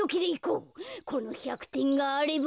この１００てんがあれば。